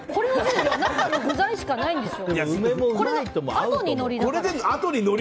中の具材しかないんですよ。